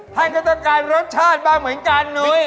ท่านก็ต้องการรสชาติบ้างเหมือนกันนุ้ย